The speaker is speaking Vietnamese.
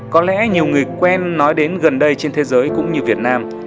có lẽ nhiều người quen nói đến gần đây trên thế giới cũng như việt nam